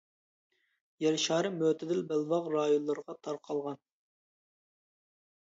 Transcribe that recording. يەر شارى مۆتىدىل بەلباغ رايونلىرىغا تارقالغان.